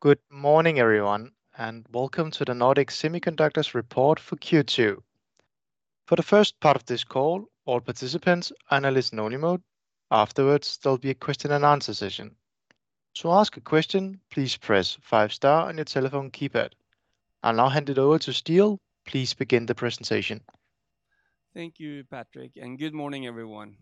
Good morning, everyone, and welcome to the Nordic Semiconductor Report for Q2. For the first part of this call, all participants are in a listen-only mode. Afterwards, there'll be a question and answer session. To ask a question, please press five star on your telephone keypad. I'll now hand it over to Stian. Please begin the presentation. Thank you, Patrick, and good morning, everyone.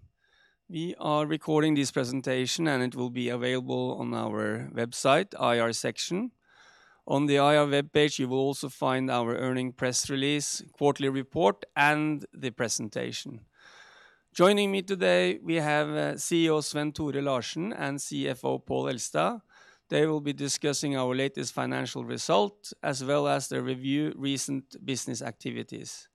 We are recording this presentation, and it will be available on our website, IR section. On the IR webpage, you will also find our earnings press release, quarterly report, and the presentation. Joining me today, we have CEO Svenn-Tore Larsen and CFO Pål Elstad. They will be discussing our latest financial results, as well as the review recent business activities.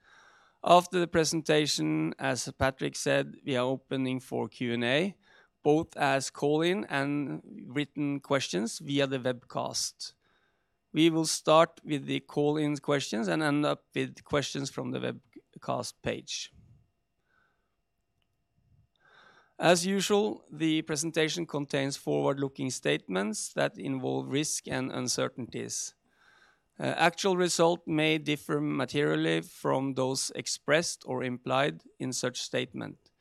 After the presentation, as Patrick said, we are opening for Q&A, both as call-in and written questions via the webcast. We will start with the call-in questions and end up with questions from the webcast page. As usual, the presentation contains forward-looking statements that involve risks and uncertainties. Actual results may differ materially from those expressed or implied in such statements.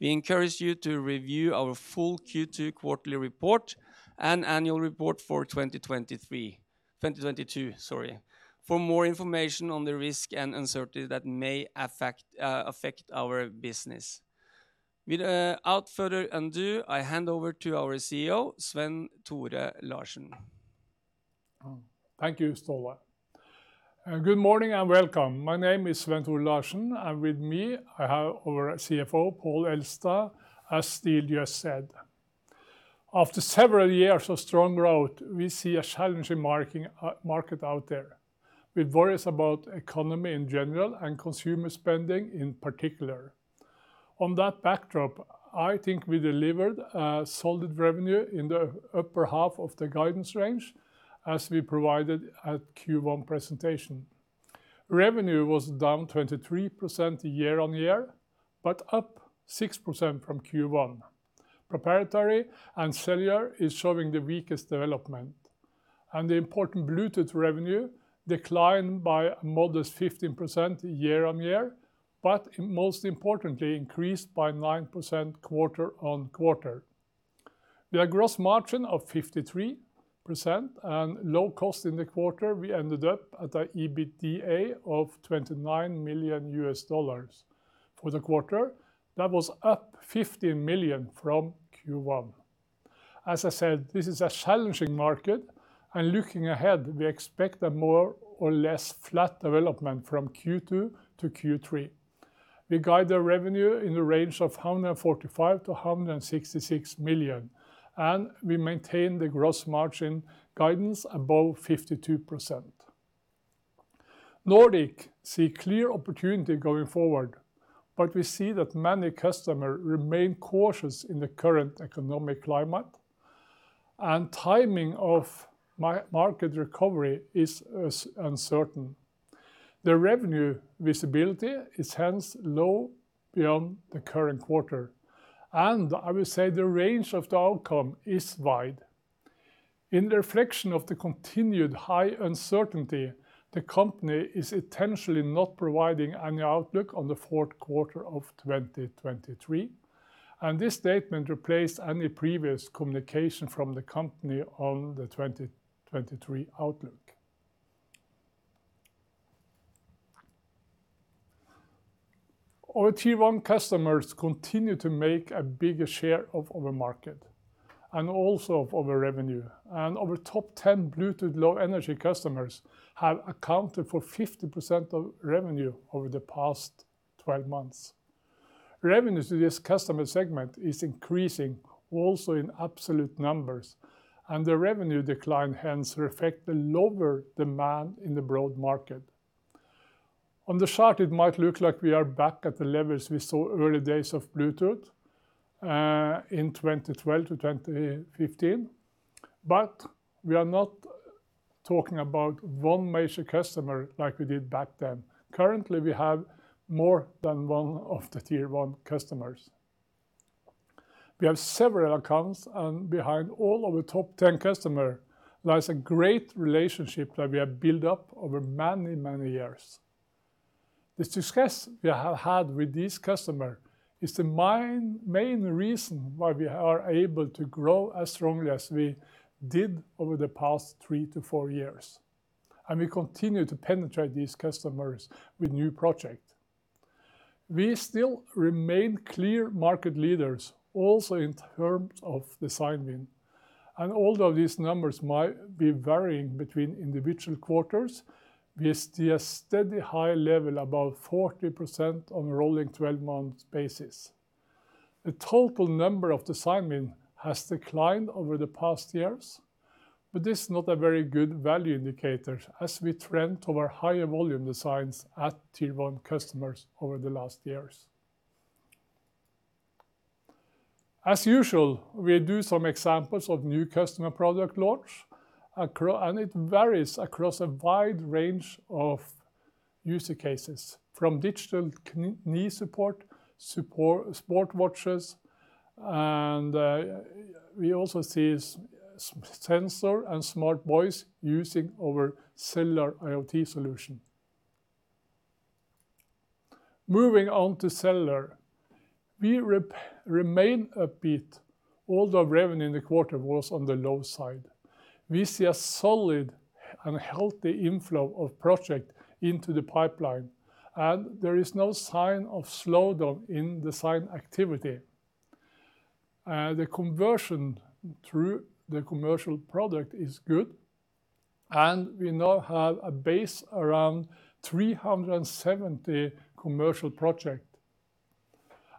We encourage you to review our full Q2 quarterly report and annual report for 2023. 2022, sorry, for more information on the risk and uncertainty that may affect our business. Without further ado, I hand over to our CEO, Svenn-Tore Larsen. Thank you, Stian. Good morning, and welcome. My name is Svenn-Tore Larsen, with me, I have our CFO, Pål Elstad, as Stian just said. After several years of strong growth, we see a challenging market out there, with worries about economy in general and consumer spending in particular. On that backdrop, I think we delivered a solid revenue in the upper half of the guidance range, as we provided at Q1 presentation. Revenue was down 23% year-on-year, up 6% from Q1. Proprietary and cellular is showing the weakest development, the important Bluetooth revenue declined by a modest 15% year-on-year, most importantly, increased by 9% quarter-on-quarter. With a gross margin of 53% and low cost in the quarter, we ended up at a EBITDA of $29 million. For the quarter, that was up $15 million from Q1. As I said, this is a challenging market, and looking ahead, we expect a more or less flat development from Q2 to Q3. We guide the revenue in the range of $145 million to 166 million, and we maintain the gross margin guidance above 52%. Nordic see clear opportunity going forward, but we see that many customer remain cautious in the current economic climate, and timing of market recovery is uncertain. The revenue visibility is hence low beyond the current quarter, and I will say the range of the outcome is wide. In reflection of the continued high uncertainty, the company is intentionally not providing any outlook on the Q4 of 2023, and this statement replaced any previous communication from the company on the 2023 outlook. Our Tier-1 customers continue to make a bigger share of our market and also of our revenue, and our top 10 Bluetooth Low Energy customers have accounted for 50% of revenue over the past 12 months. Revenue to this customer segment is increasing also in absolute numbers, and the revenue decline hence reflect the lower demand in the broad market. On the chart, it might look like we are back at the levels we saw early days of Bluetooth, in 2012 to 2015, but we are not talking about one major customer like we did back then. Currently, we have more than one of the Tier-1 customers. We have several accounts, and behind all of the top 10 customer lies a great relationship that we have built up over many, many years. The success we have had with these customer is the main reason why we are able to grow as strongly as we did over the past three to four years, and we continue to penetrate these customers with new project. We still remain clear market leaders, also in terms of design win. Although these numbers might be varying between individual quarters, we see a steady high level, about 40% on a rolling 12-month basis. The total number of design win has declined over the past years, but this is not a very good value indicator as we trend toward higher volume designs at Tier-1 customers over the last years. As usual, we do some examples of new customer product launch and it varies across a wide range of-... user cases from digital knee support sport watches, and we also see sensor and smart voice using our cellular IoT solution. Moving on to cellular, we remain upbeat, although revenue in the quarter was on the low side. We see a solid and healthy inflow of project into the pipeline, and there is no sign of slowdown in design activity. The conversion through the commercial product is good, and we now have a base around 370 commercial project.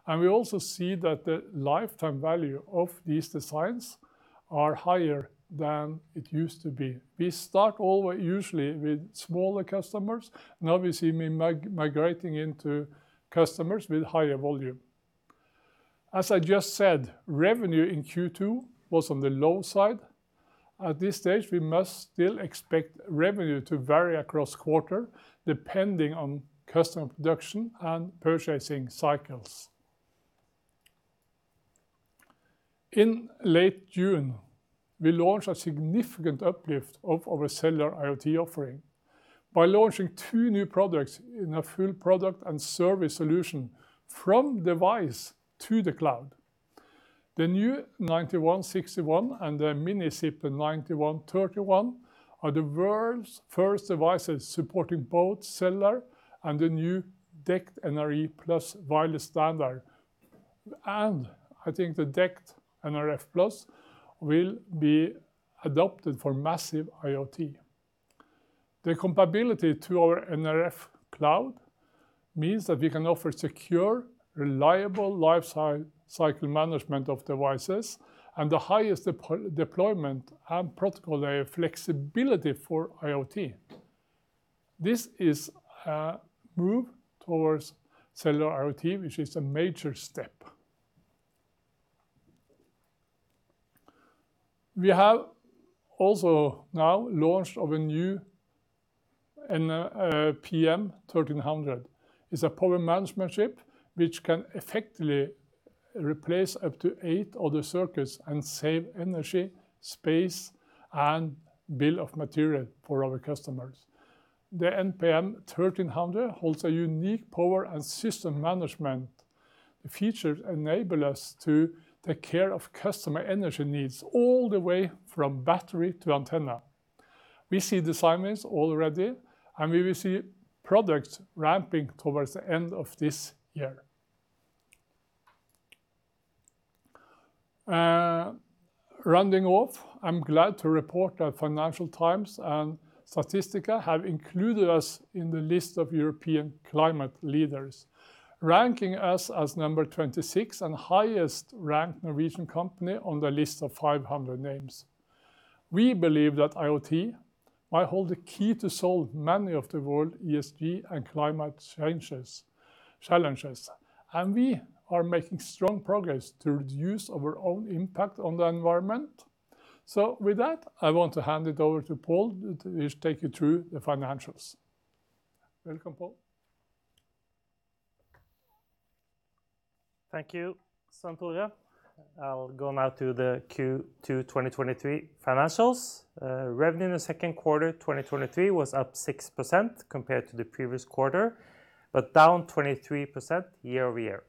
We also see that the lifetime value of these designs are higher than it used to be. We start always usually with smaller customers, now we see migrating into customers with higher volume. As I just said, revenue in Q2 was on the low side. At this stage, we must still expect revenue to vary across quarter, depending on customer production and purchasing cycles. In late June, we launched a significant uplift of our cellular IoT offering by launching two new products in a full product and service solution from device to the cloud. The new 9161 and the Mini SiP 9131 are the world's first devices supporting both cellular and the new DECT NR+ wireless standard. I think the DECT NR+ will be adopted for massive IoT. The compatibility to our nRF Cloud means that we can offer secure, reliable life cycle management of devices and the highest deployment and protocol flexibility for IoT. This is a move towards cellular IoT, which is a major step. We have also now launched of a new nPM1300. It's a power management chip, which can effectively replace up to eight other circuits and save energy, space, and bill of materials for our customers. The nPM1300 holds a unique power and system management. The features enable us to take care of customer energy needs all the way from battery to antenna. We see designs already. We will see products ramping towards the end of this year. Rounding off, I'm glad to report that Financial Times and Statista have included us in the list of European Climate Leaders, ranking us as number 26 and highest ranked Norwegian company on the list of 500 names. We believe that IoT might hold the key to solve many of the world ESG and climate challenges, and we are making strong progress to reduce our own impact on the environment. With that, I want to hand it over to Pål to take you through the financials. Welcome, Pål. Thank you, Svenn-Tore Larsen. I'll go now to the Q2 2023 financials. Revenue in the Q2 2023 was up 6% compared to the previous quarter, but down 23% year-over-year.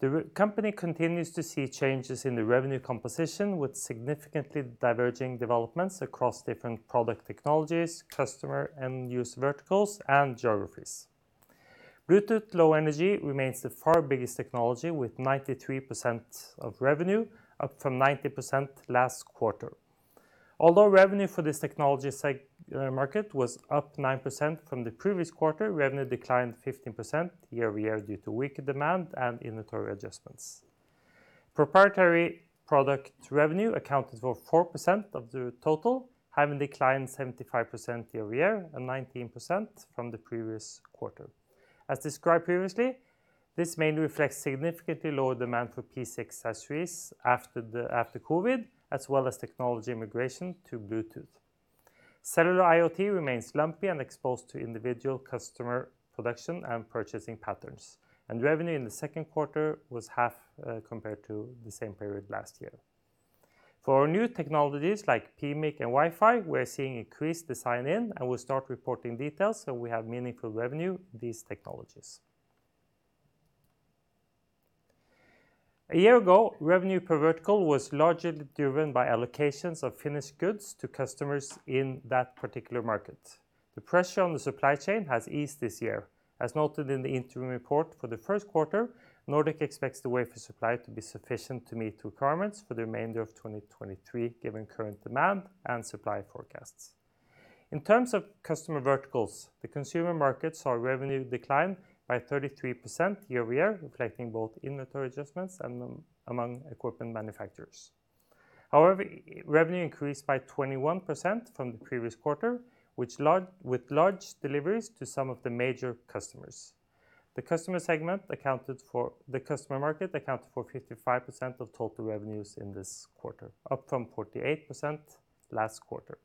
The company continues to see changes in the revenue composition, with significantly diverging developments across different product technologies, customer and use verticals, and geographies. Bluetooth Low Energy remains the far biggest technology, with 93% of revenue, up from 90% last quarter. Although revenue for this technology market was up 9% from the previous quarter, revenue declined 15% year-over-year due to weaker demand and inventory adjustments. Proprietary product revenue accounted for 4% of the total, having declined 75% year-over-year and 19% from the previous quarter. As described previously, this mainly reflects significantly lower demand for PC accessories after COVID, as well as technology immigration to Bluetooth. Cellular IoT remains lumpy and exposed to individual customer production and purchasing patterns, and revenue in the Q2 was half compared to the same period last year. For our new technologies like PMIC and Wi-Fi, we're seeing increased design in, and we'll start reporting details, so we have meaningful revenue, these technologies. A year ago, revenue per vertical was largely driven by allocations of finished goods to customers in that particular market. The pressure on the supply chain has eased this year. As noted in the interim report for the Q1, Nordic expects the wafer supply to be sufficient to meet requirements for the remainder of 2023, given current demand and supply forecasts. In terms of customer verticals, the consumer markets saw a revenue decline by 33% year-over-year, reflecting both inventory adjustments and among equipment manufacturers. However, revenue increased by 21% from the previous quarter, with large deliveries to some of the major customers. The customer market accounted for 55% of total revenues in this quarter, up from 48% last quarter.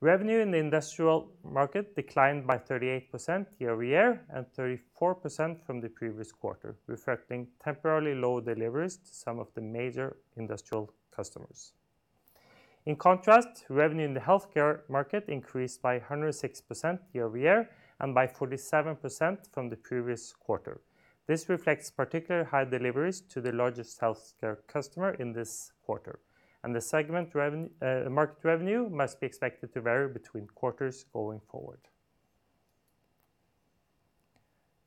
Revenue in the industrial market declined by 38% year-over-year, and 34% from the previous quarter, reflecting temporarily low deliveries to some of the major industrial customers. In contrast, revenue in the healthcare market increased by 106% year-over-year, and by 47% from the previous quarter. This reflects particularly high deliveries to the largest healthcare customer in this quarter, and the market revenue must be expected to vary between quarters going forward.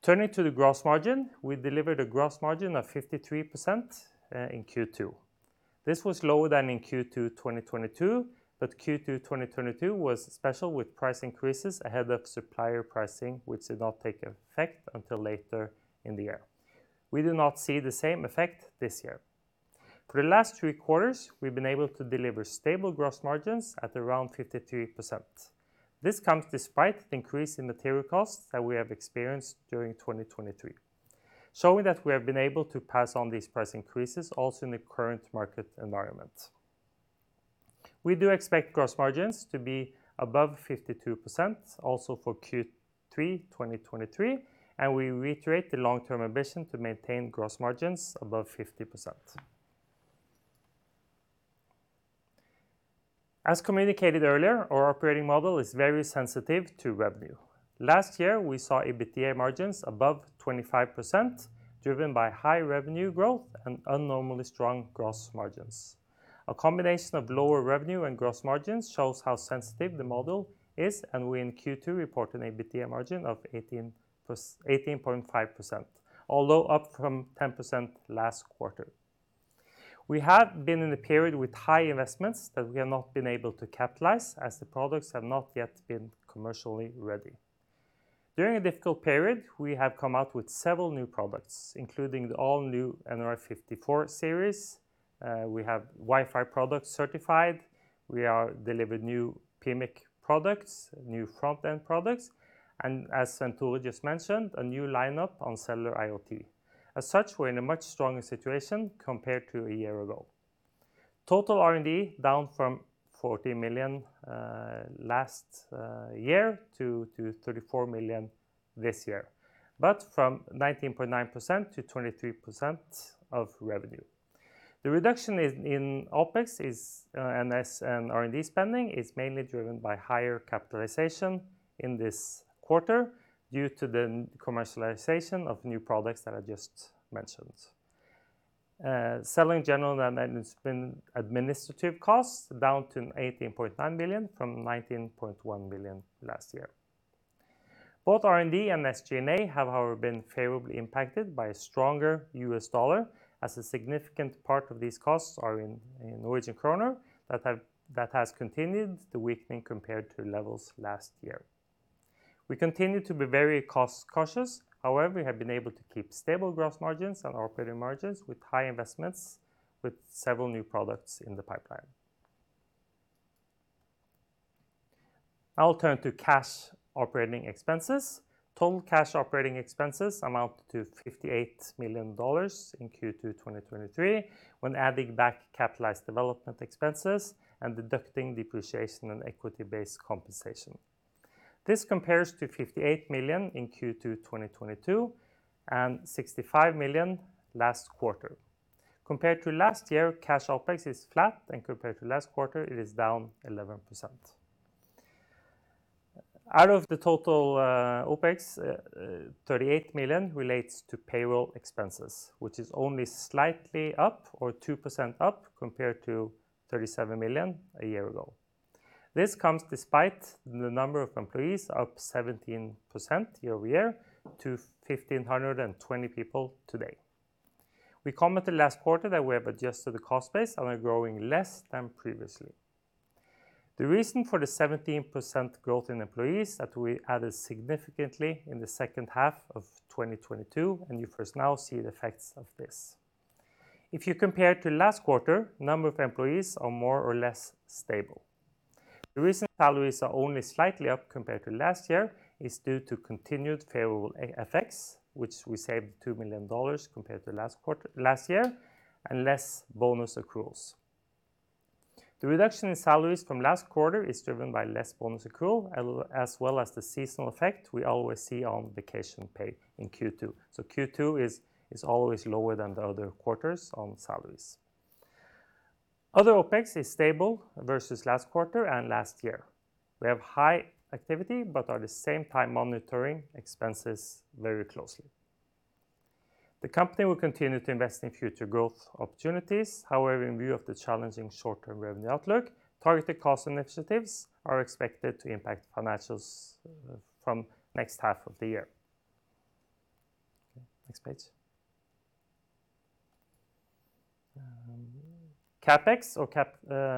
Turning to the gross margin, we delivered a gross margin of 53% in Q2. This was lower than in Q2 2022. Q2 2022 was special, with price increases ahead of supplier pricing, which did not take effect until later in the year. We do not see the same effect this year. For the last three quarters, we've been able to deliver stable gross margins at around 53%. This comes despite the increase in material costs that we have experienced during 2023, showing that we have been able to pass on these price increases also in the current market environment. We do expect gross margins to be above 52% also for Q3 2023, and we reiterate the long-term ambition to maintain gross margins above 50%. As communicated earlier, our operating model is very sensitive to revenue. Last year, we saw EBITDA margins above 25%, driven by high revenue growth and unnaturally strong gross margins. A combination of lower revenue and gross margins shows how sensitive the model is, and we in Q2 report an EBITDA margin of 18.5%, although up from 10% last quarter. We have been in a period with high investments that we have not been able to capitalize, as the products have not yet been commercially ready. During a difficult period, we have come out with several new products, including the all-new nRF54 Series. We have Wi-Fi products certified. We are delivered new PMIC products, new front-end products, as Santosh just mentioned, a new lineup on cellular IoT. As such, we're in a much stronger situation compared to a year ago. Total R&D, down from $40 million last year to $34 million this year, but from 19.9 to 23% of revenue. The reduction in OpEx is and R&D spending is mainly driven by higher capitalization in this quarter due to the commercialization of new products that I just mentioned. Selling, general, and administrative costs down to $18.9 billion from $19.1 billion last year. Both R&D and SG&A have, however, been favorably impacted by a stronger US dollar, as a significant part of these costs are in Norwegian kroner that has continued to weaken compared to levels last year. We continue to be very cost-cautious. However, we have been able to keep stable gross margins and operating margins with high investments, with several new products in the pipeline. I'll turn to cash operating expenses. Total cash operating expenses amounted to $58 million in Q2 2023, when adding back capitalized development expenses and deducting depreciation and equity-based compensation. This compares to $58 million in Q2 2022 and $65 million last quarter. Compared to last year, cash OpEx is flat, and compared to last quarter, it is down 11%. Out of the total OpEx, $38 million relates to payroll expenses, which is only slightly up, or 2% up, compared to $37 million a year ago. This comes despite the number of employees up 17% year-over-year to 1,520 people today. We commented last quarter that we have adjusted the cost base and are growing less than previously. The reason for the 17% growth in employees that we added significantly in the second half of 2022, and you first now see the effects of this. If you compare to last quarter, number of employees are more or less stable. The reason salaries are only slightly up compared to last year is due to continued favorable FX, which we saved $2 million compared to last year, and less bonus accruals. The reduction in salaries from last quarter is driven by less bonus accrual, as well as the seasonal effect we always see on vacation pay in Q2. Q2 is always lower than the other quarters on salaries. Other OpEx is stable versus last quarter and last year. We have high activity, at the same time monitoring expenses very closely. The company will continue to invest in future growth opportunities. However, in view of the challenging short-term revenue outlook, targeted cost initiatives are expected to impact financials from next half of the year. Okay, next page. CapEx or Cap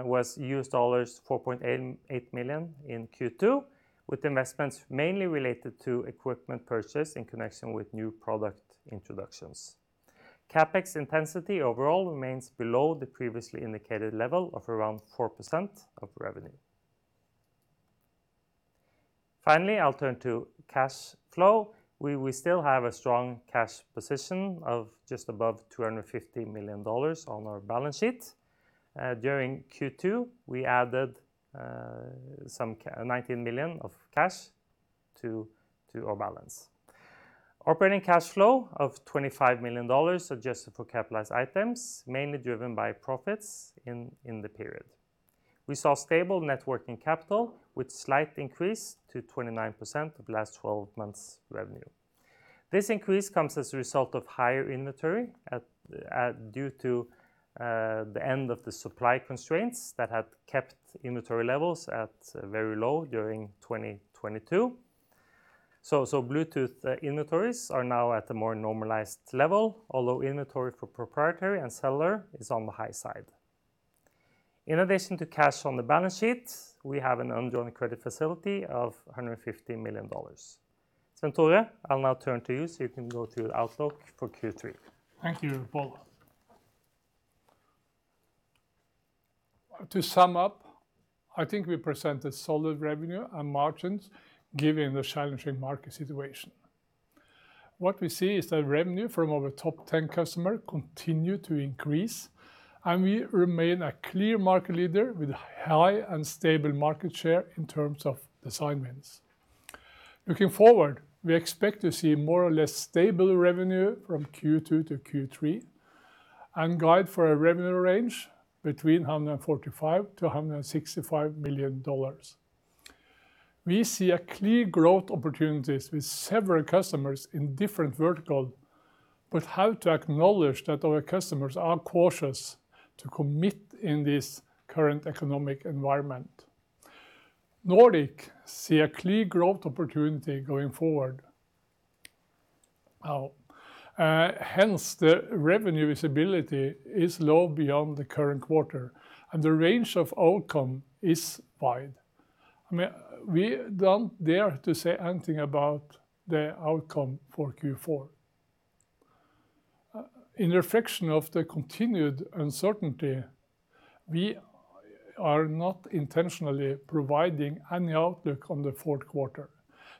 was $4.88 million in Q2, with investments mainly related to equipment purchase in connection with new product introductions. CapEx intensity overall remains below the previously indicated level of around 4% of revenue. Finally, I'll turn to cash flow. We still have a strong cash position of just above $250 million on our balance sheet. During Q2, we added $19 million of cash to our balance. Operating cash flow of $25 million adjusted for capitalized items, mainly driven by profits in the period. We saw stable net working capital, with slight increase to 29% of last 12 months' revenue. This increase comes as a result of higher inventory at due to the end of the supply constraints that had kept inventory levels at very low during 2022. Bluetooth inventories are now at a more normalized level, although inventory for proprietary and cellular is on the high side. In addition to cash on the balance sheet, we have an undrawn credit facility of $150 million. Torje, I'll now turn to you, so you can go to outlook for Q3. Thank you, Pål. To sum up, I think we presented solid revenue and margins, given the challenging market situation. What we see is that revenue from our top 10 customer continue to increase, and we remain a clear market leader with high and stable market share in terms of design wins. Looking forward, we expect to see more or less stable revenue from Q2 to Q3, and guide for a revenue range between $145 million to 165 million. We see a clear growth opportunities with several customers in different vertical, but have to acknowledge that our customers are cautious to commit in this current economic environment. Nordic see a clear growth opportunity going forward. Now, hence, the revenue visibility is low beyond the current quarter, and the range of outcome is wide. I mean, we don't dare to say anything about the outcome for Q4. In reflection of the continued uncertainty, we are not intentionally providing any outlook on the Q4.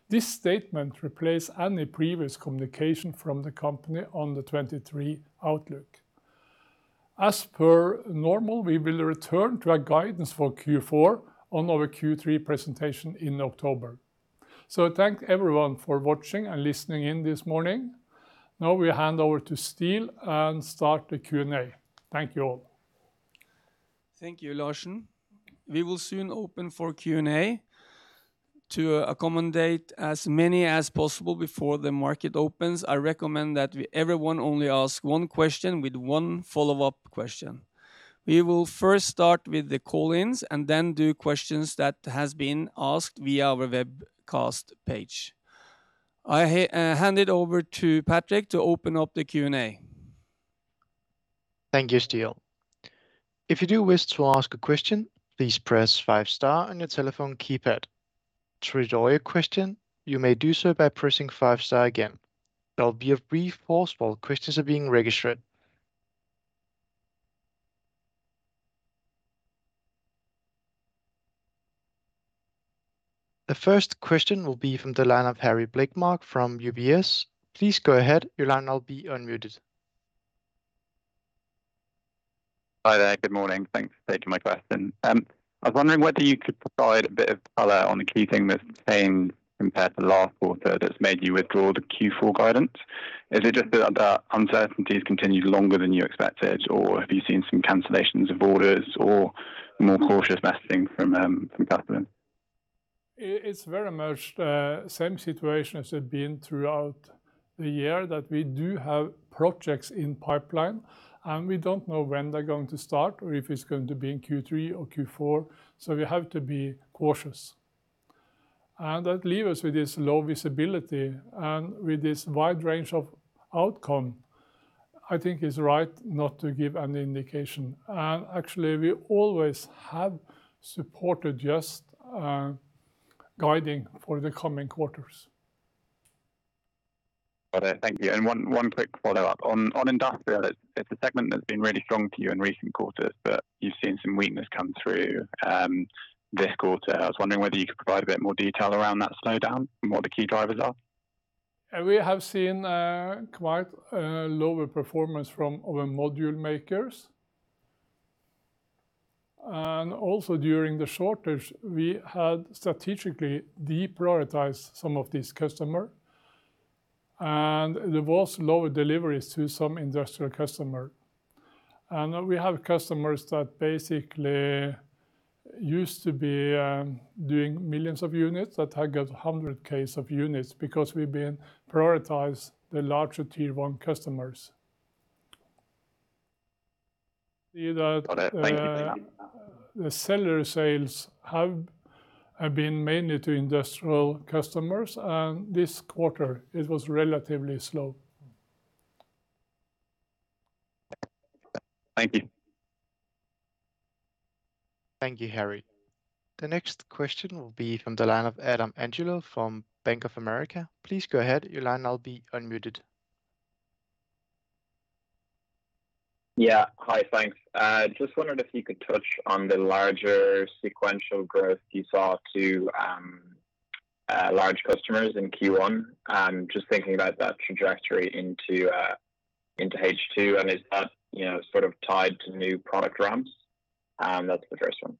This statement replace any previous communication from the company on the 2023 outlook. As per normal, we will return to our guidance for Q4 on our Q3 presentation in October. Thank everyone for watching and listening in this morning. We hand over to Stale and start the Q&A. Thank you, all. Thank you, Larsen. We will soon open for Q&A. To accommodate as many as possible before the market opens, I recommend that everyone only ask one question with one follow-up question. We will first start with the call-ins, then do questions that has been asked via our webcast page. I hand it over to Patrick to open up the Q&A. Thank you, Stin. If you do wish to ask a question, please press five star on your telephone keypad. To withdraw your question, you may do so by pressing five star again. There'll be a brief pause while questions are being registered. The first question will be from the line of Harry Blaiklock from UBS. Please go ahead. Your line will be unmuted. Hi there. Good morning. Thanks for taking my question. I was wondering whether you could provide a bit of color on the key thing that's the same compared to last quarter that's made you withdraw the Q4 guidance. Is it just that the uncertainties continued longer than you expected, or have you seen some cancellations of orders, or more cautious messaging from customers? It's very much same situation as had been throughout the year, that we do have projects in pipeline, and we don't know when they're going to start or if it's going to be in Q3 or Q4, so we have to be cautious. That leave us with this low visibility, and with this wide range of outcome, I think it's right not to give any indication. Actually, we always have supported just guiding for the coming quarters. Got it. Thank you. One quick follow-up. On industrial, it's a segment that's been really strong to you in recent quarters, but you've seen some weakness come through, this quarter. I was wondering whether you could provide a bit more detail around that slowdown and what the key drivers are? We have seen quite lower performance from our module makers. During the shortage, we had strategically deprioritized some of these customers, and there was lower deliveries to some industrial customers. We have customers that basically used to be doing millions of units that have got 100K of units, because we've been prioritizing the larger Tier-1 customers. Got it. Thank you very much. The cellular sales have been mainly to industrial customers, and this quarter it was relatively slow. Thank you. Thank you, Harry. The next question will be from the line of Adam Angelov from Bank of America. Please go ahead. Your line now will be unmuted. Yeah. Hi, thanks. Just wondered if you could touch on the larger sequential growth you saw to large customers in Q1, and just thinking about that trajectory into H2, and is that, you know, sort of tied to new product ramps? That's the first one.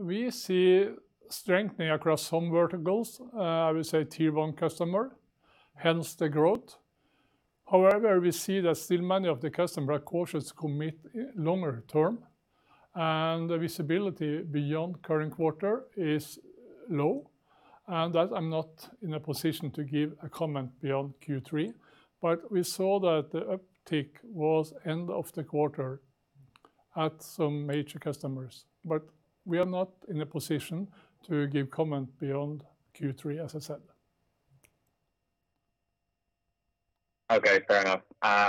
We see strengthening across some verticals, I would say Tier-1 customer, hence the growth. However, we see that still many of the customer are cautious to commit, longer term, and the visibility beyond current quarter is low, and that I'm not in a position to give a comment beyond Q3. We saw that the uptick was end of the quarter at some major customers, but we are not in a position to give comment beyond Q3, as I said. Okay, fair enough.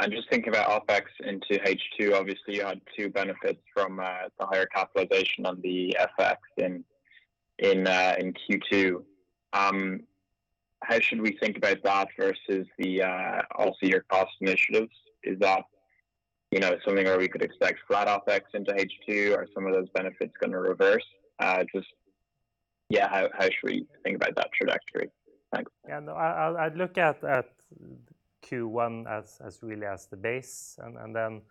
Just thinking about OpEx into H2, obviously, you had 2 benefits from the higher capitalization on the FX in Q2. How should we think about that versus also your cost initiatives? Is that, you know, something where we could expect flat OpEx into H2? Are some of those benefits going to reverse? How should we think about that trajectory? Thanks. No, I'd look at Q1 as really as the base and then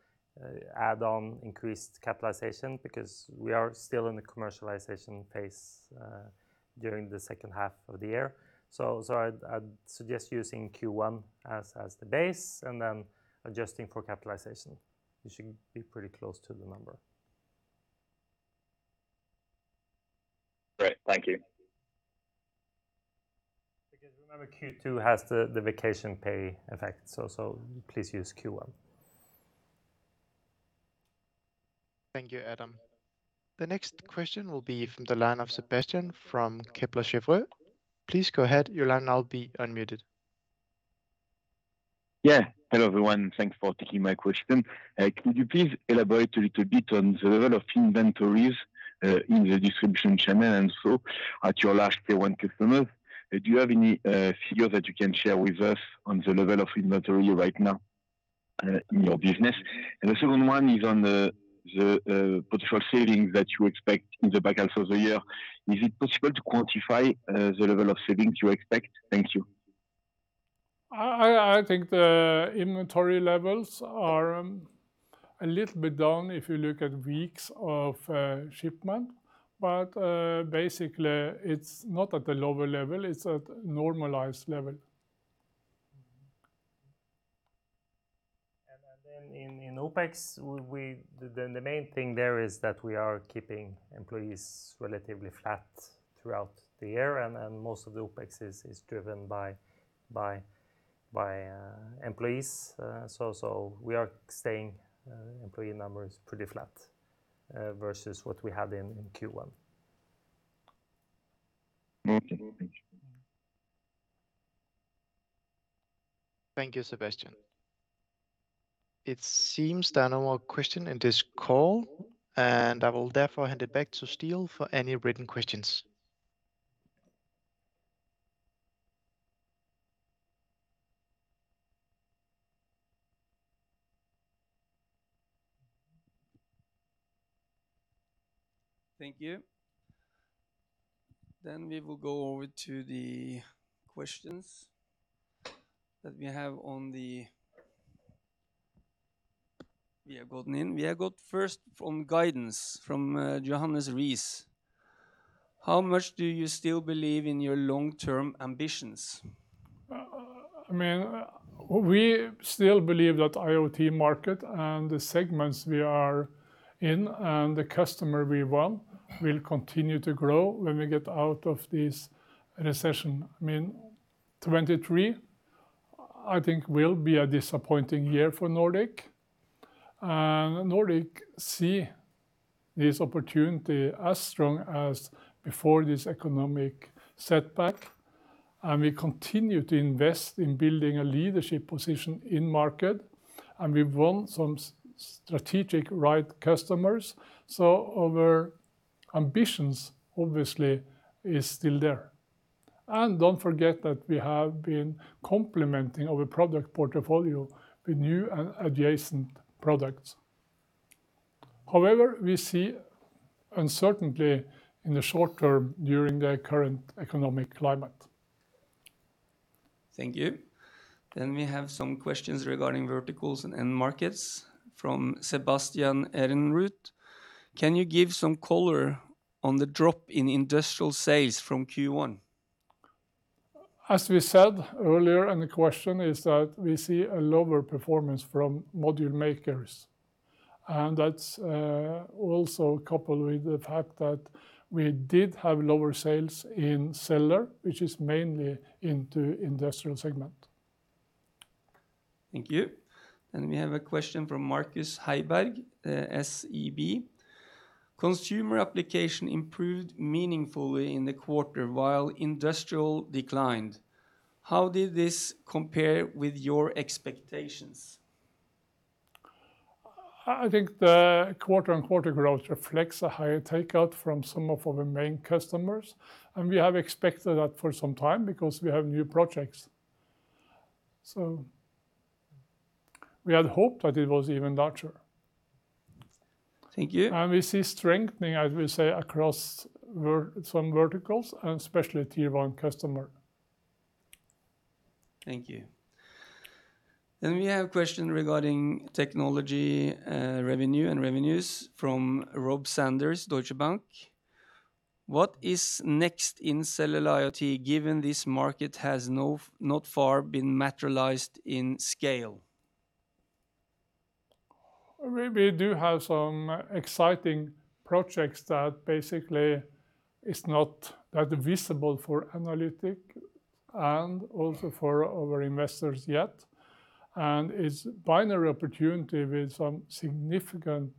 add on increased capitalization, because we are still in the commercialization pace during the second half of the year. I'd suggest using Q1 as the base, and then adjusting for capitalization. You should be pretty close to the number. Great. Thank you. Remember, Q2 has the vacation pay effect, so please use Q1. Thank you, Adam. The next question will be from the line of Sebastian from Kepler Cheuvreux. Please go ahead, your line now be unmuted. Yeah. Hello, everyone, thanks for taking my question. Could you please elaborate a little bit on the level of inventories in the distribution channel, and so at your last day one customer? Do you have any figure that you can share with us on the level of inventory right now in your business? The second one is on the potential savings that you expect in the back half of the year. Is it possible to quantify the level of savings you expect? Thank you. I think the inventory levels are a little bit down if you look at weeks of shipment. Basically, it's not at a lower level, it's at normalized level. Mm-hmm. Then in OpEx, we, then the main thing there is that we are keeping employees relatively flat throughout the year, and most of the OpEx is driven by employees. So we are staying employee numbers pretty flat versus what we had in Q1. Okay. Thank you. Thank you, Sebastian. It seems there are no more question in this call. I will therefore hand it back to Stale for any written questions. Thank you. We will go over to the questions that we have gotten in. We have got first from guidance, from Johannes Rees: "How much do you still believe in your long-term ambitions? I mean, we still believe that IoT market and the segments we are in, and the customer we want, will continue to grow when we get out of this recession. I mean, 2023, I think, will be a disappointing year for Nordic. Nordic see this opportunity as strong as before this economic setback, and we continue to invest in building a leadership position in market, and we've won some strategic, right customers. Our ambitions, obviously, is still there. Don't forget that we have been complementing our product portfolio with new and adjacent products. However, we see uncertainty in the short term during the current economic climate. Thank you. We have some questions regarding verticals and end markets from Sebastian Erenrut: "Can you give some color on the drop in industrial sales from Q1? As we said earlier, and the question is that we see a lower performance from module makers, and that's also coupled with the fact that we did have lower sales in cellular, which is mainly into industrial segment. Thank you. We have a question from Markus Heiberg, SEB: "Consumer application improved meaningfully in the quarter, while industrial declined. How did this compare with your expectations? I think the quarter-on-quarter growth reflects a higher takeout from some of our main customers, and we have expected that for some time because we have new projects. We had hoped that it was even larger. Thank you. We see strengthening, I will say, across some verticals, and especially Tier-1 customer. Thank you. We have a question regarding technology, revenue and revenues from Robert Sanders, Deutsche Bank. What is next in cellular IoT, given this market has not far been materialized in scale? We do have some exciting projects that basically is not that visible for analysts and also for our investors yet, and it's binary opportunity with some significant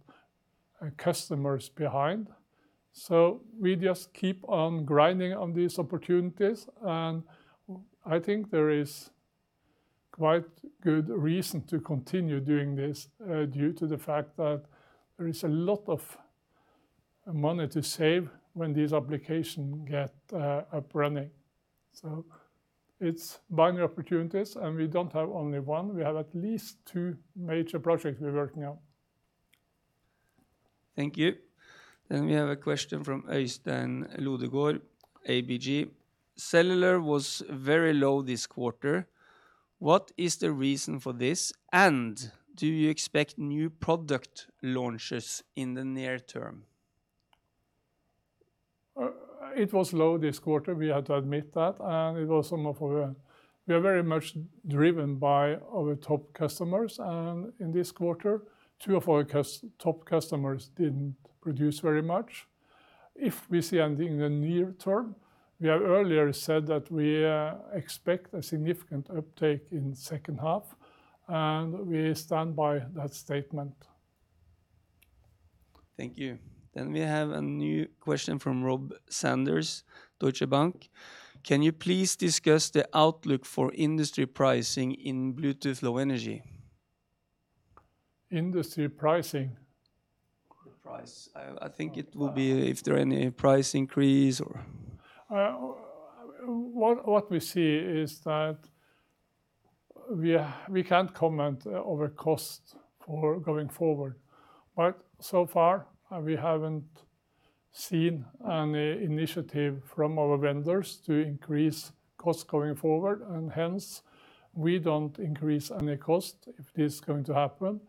customers behind. We just keep on grinding on these opportunities, and I think there is quite good reason to continue doing this due to the fact that there is a lot of money to save when these application get up running. It's binary opportunities, and we don't have only one. We have at least two major projects we're working on. Thank you. We have a question from Øystein Lodgaard, ABG: cellular was very low this quarter. What is the reason for this, and do you expect new product launches in the near term? It was low this quarter, we have to admit that. We are very much driven by our top customers. In this quarter, two of our top customers didn't produce very much. If we see anything in the near term, we have earlier said that we expect a significant uptake in second half. We stand by that statement. Thank you. We have a new question from Robert Sanders, Deutsche Bank. Can you please discuss the outlook for industry pricing in Bluetooth Low Energy? Industry pricing? The price. I think it will be- Uh... if there are any price increase or? what we see is that we can't comment over cost for going forward, but so far, we haven't seen any initiative from our vendors to increase cost going forward, and hence, we don't increase any cost if this is going to happen.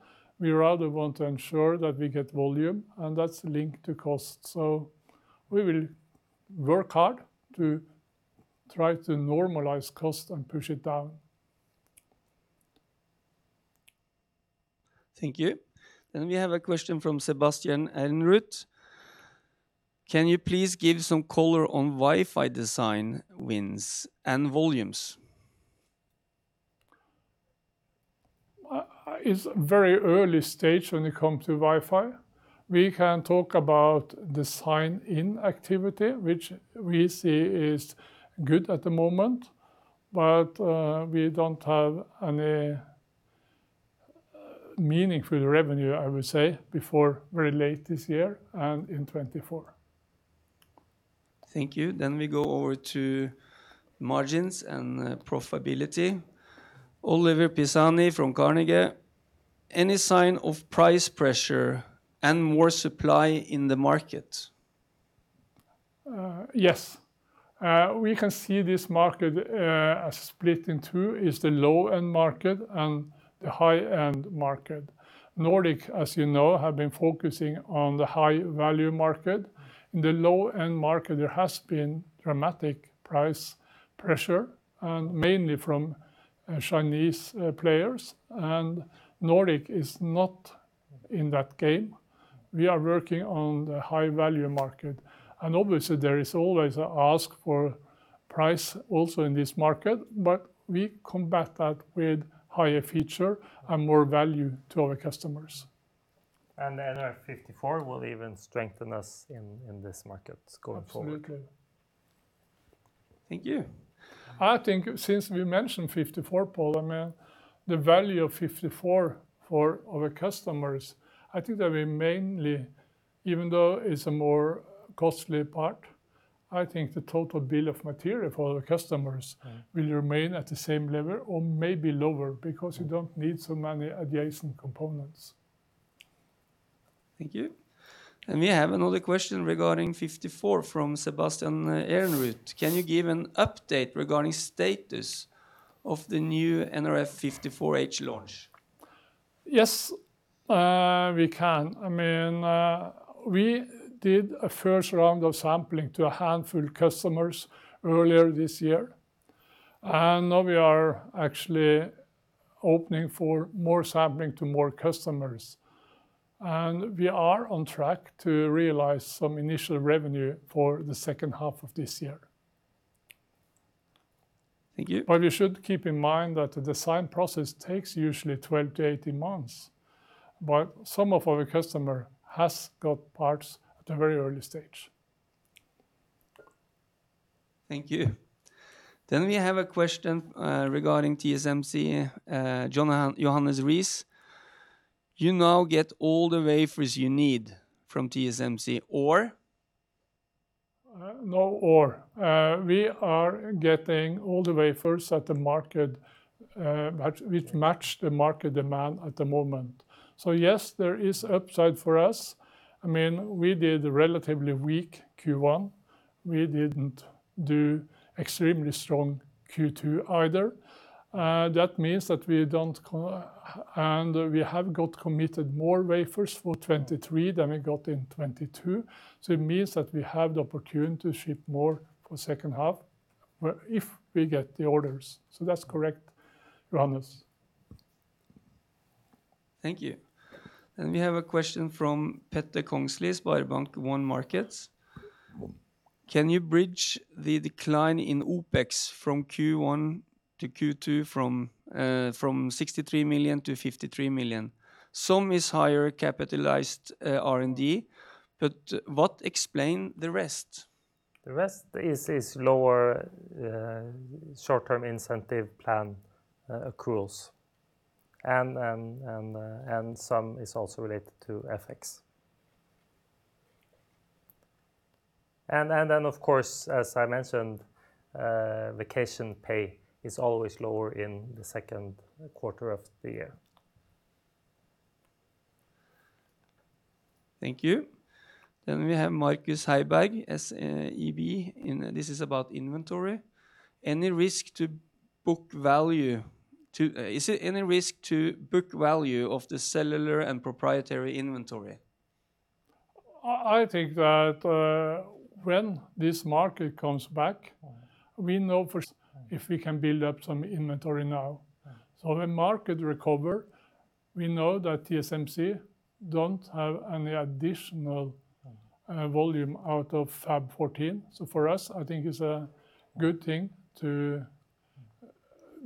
We rather want to ensure that we get volume, and that's linked to cost. we will work hard to try to normalize cost and push it down. Thank you. We have a question from Sebastian Ehrnroot. Can you please give some color on Wi-Fi design wins and volumes? It's very early stage when it come to Wi-Fi. We can talk about design in activity, which we see is good at the moment, but we don't have any meaningful revenue, I would say, before very late this year and in 2024. Thank you. We go over to margins and profitability. Oliver Pisani from Carnegie: Any sign of price pressure and more supply in the market? Yes. We can see this market as split in two, is the low-end market and the high-end market. Nordic, as you know, have been focusing on the high-value market. In the low-end market, there has been dramatic price pressure, and mainly from Chinese players, and Nordic is not in that game. We are working on the high-value market. Obviously, there is always a ask for price also in this market, but we combat that with higher feature and more value to our customers. The nRF54 will even strengthen us in this market going forward. Absolutely. Thank you. I think since we mentioned 54, Pål, I mean, the value of 54 for our customers, I think that we mainly, even though it's a more costly part, I think the total bill of materials for our customers.... will remain at the same level or maybe lower, because you don't need so many adjacent components. Thank you. We have another question regarding 54 from Sebastian Ehrnroot. Can you give an update regarding status of the new nRF54H Series launch? Yes, we can. I mean, we did a first round of sampling to a handful of customers earlier this year. Now we are actually opening for more sampling to more customers. We are on track to realize some initial revenue for the second half of this year. Thank you. You should keep in mind that the design process takes usually 12 to 18 months, but some of our customer has got parts at a very early stage. Thank you. We have a question, regarding TSMC, Johannes Rees: You now get all the wafers you need from TSMC, or? No, or. We are getting all the wafers at the market, which match the market demand at the moment. Yes, there is upside for us. I mean, we did a relatively weak Q1. We didn't do extremely strong Q2 either. That means that we don't and we have got committed more wafers for 2023 than we got in 2022. It means that we have the opportunity to ship more for second half, where if we get the orders. That's correct, Johannes. Thank you. We have a question from Petter Kongslie, SpareBank one Markets: Can you bridge the decline in OpEx from Q1 to Q2, from 63 million to 53 million? Some is higher capitalized R&D, what explain the rest? The rest is lower, short-term incentive plan, accruals. Some is also related to FX. Then, of course, as I mentioned, vacation pay is always lower in the Q2 of the year. Thank you. We have Markus Heiberg, SEB, and this is about inventory. Is there any risk to book value of the cellular and proprietary inventory? I think that, when this market comes back, we know for if we can build up some inventory now. When market recover, we know that TSMC don't have any additional volume out of Fab 14. For us, I think it's a good thing to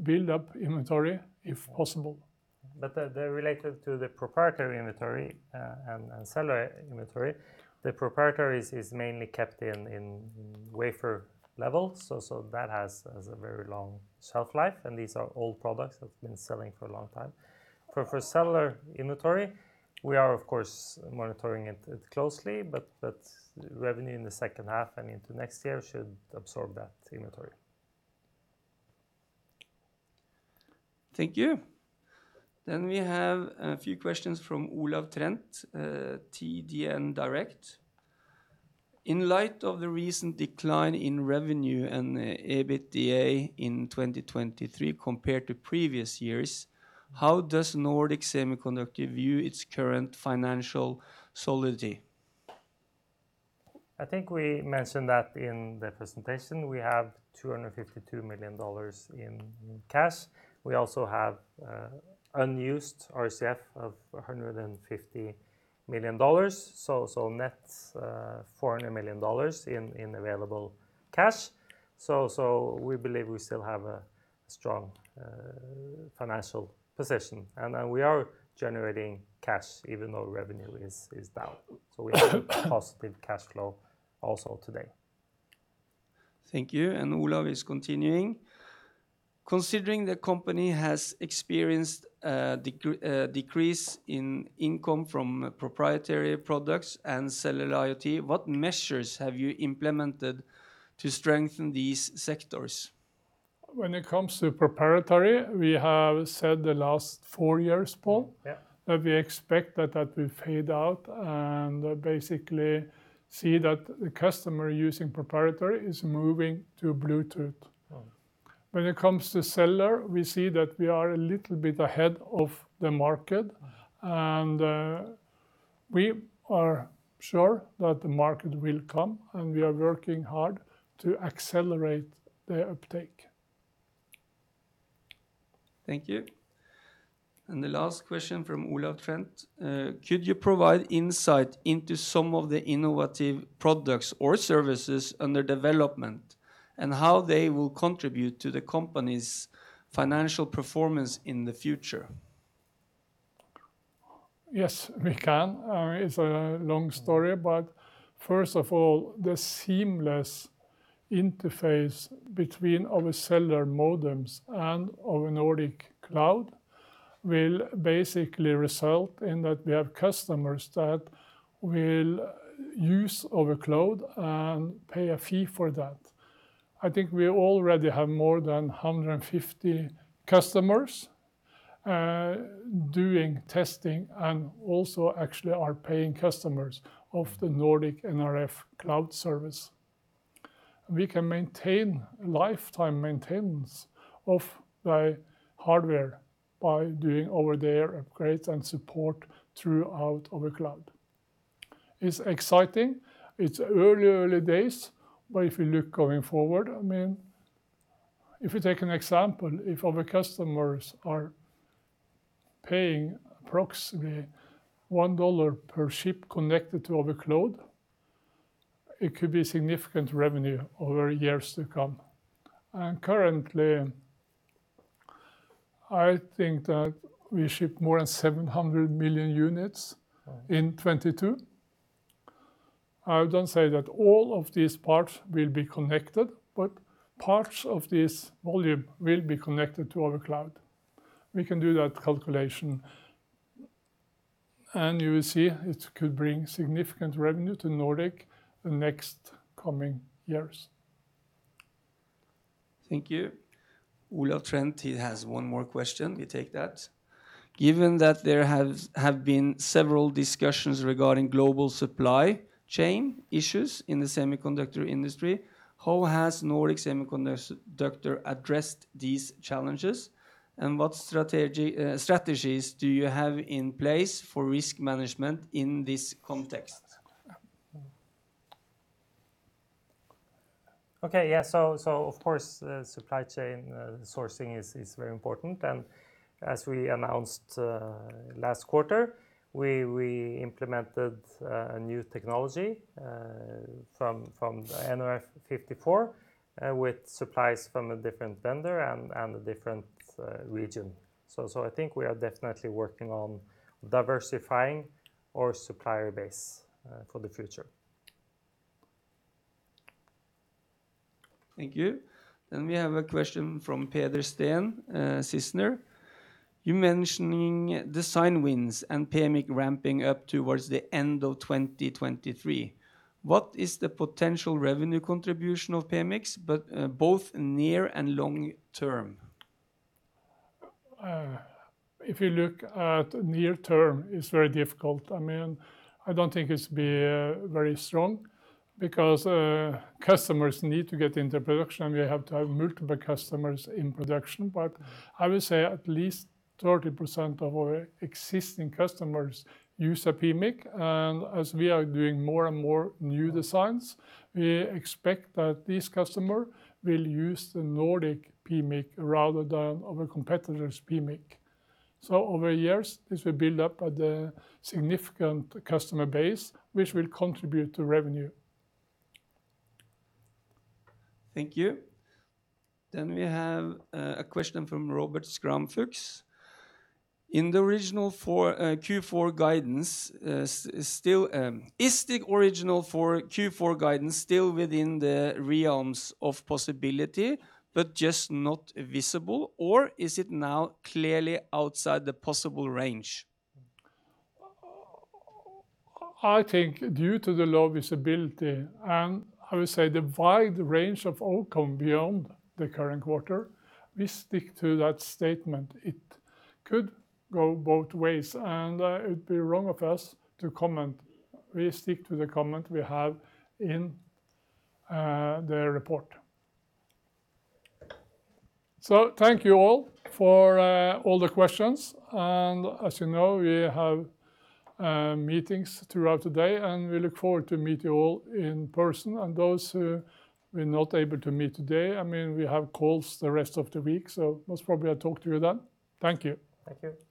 build up inventory, if possible. The related to the proprietary inventory, and cellular inventory, the proprietary is mainly kept in wafer level, so that has a very long shelf life, and these are old products that've been selling for a long time. For cellular inventory, we are, of course, monitoring it closely, but that revenue in the second half and into next year should absorb that inventory. Thank you. We have a few questions from Olav Trent, TDN Direkt. In light of the recent decline in revenue and the EBITDA in 2023 compared to previous years, how does Nordic Semiconductor view its current financial solidity? I think we mentioned that in the presentation. We have $252 million in cash. We also have unused RCF of $150 million, so net $400 million in available cash. We believe we still have a strong financial position, and we are generating cash, even though revenue is down. We have a positive cash flow also today. Thank you, Olav is continuing. Considering the company has experienced a decrease in income from proprietary products and cellular IoT, what measures have you implemented to strengthen these sectors? When it comes to proprietary, we have said the last four years, Pål. Yeah... that we expect that will fade out, and basically see that the customer using proprietary is moving to Bluetooth. Mm. When it comes to cellular, we see that we are a little bit ahead of the market, and we are sure that the market will come, and we are working hard to accelerate the uptake. Thank you. The last question from Olav Trent: Could you provide insight into some of the innovative products or services under development, and how they will contribute to the company's financial performance in the future? Yes, we can. It's a long story, first of all, the seamless interface between our cellular modems and our nRF Cloud will basically result in that we have customers that will use our cloud and pay a fee for that. I think we already have more than 150 customers, doing testing, and also actually are paying customers of the nRF Cloud Services. We can maintain lifetime maintenance of the hardware by doing over-the-air upgrades and support throughout our cloud. It's exciting. It's early days, if you look going forward, I mean, if you take an example, if our customers are paying approximately $1 per ship connected to our cloud, it could be significant revenue over years to come. Currently, I think that we ship more than 700 million units in 2022. I don't say that all of these parts will be connected, but parts of this volume will be connected to our cloud. We can do that calculation, and you will see it could bring significant revenue to Nordic the next coming years. Thank you. Olav Trent, he has one more question. You take that. Given that there have been several discussions regarding global supply chain issues in the semiconductor industry, how has Nordic Semiconductor addressed these challenges, and what strategies do you have in place for risk management in this context? Okay. Yeah, so of course, supply chain sourcing is very important. As we announced last quarter, we implemented a new technology from the nRF54 with supplies from a different vendor and a different region. I think we are definitely working on diversifying our supplier base for the future. Thank you. We have a question from Peder Sten, Sissener. You're mentioning design wins and PMIC ramping up towards the end of 2023. What is the potential revenue contribution of PMICs, both near and long term? If you look at near term, it's very difficult. I mean, I don't think it's very strong because customers need to get into production, and we have to have multiple customers in production. I will say at least 30% of our existing customers use a PMIC, and as we are doing more and more new designs, we expect that these customer will use the Nordic PMIC rather than our competitor's PMIC. Over years, this will build up a significant customer base, which will contribute to revenue. Thank you. We have a question from Robert Schramm-Fuchs. Is the original four Q4 guidance still within the realms of possibility, but just not visible, or is it now clearly outside the possible range? I think due to the low visibility, and I will say the wide range of outcome beyond the current quarter, we stick to that statement. It could go both ways, and it would be wrong of us to comment. We stick to the comment we have in the report. Thank you all for all the questions, and as you know, we have meetings throughout the day, and we look forward to meet you all in person. Those who we're not able to meet today, I mean, we have calls the rest of the week, so most probably I'll talk to you then. Thank you. Thank you.